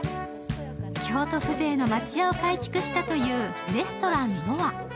京都風情の町家を改築したというレストランの輪。